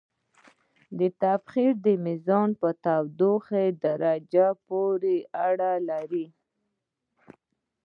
د تبخیر میزان په تودوخې درجې پورې اړه لري.